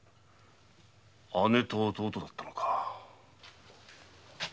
姉と弟だったのか。